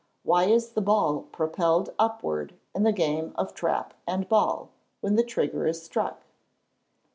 _Why is the ball propelled upward, in the game of trap and ball, when the trigger is struck?